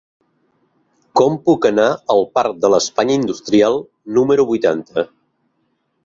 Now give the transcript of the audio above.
Com puc anar al parc de l'Espanya Industrial número vuitanta?